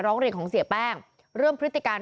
ร้องเรียนของเสียแป้งเรื่องพฤติการ